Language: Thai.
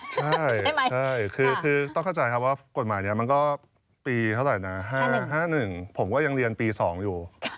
ใช่ใช่ช่วงนี้คือต้องเข้าใจครับว่ากฎหมายนี้มันก็ปี๕๑ผมก็ยังเรียนปี๒อยู่